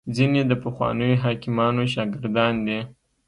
ځیني د پخوانیو حکیمانو شاګردان دي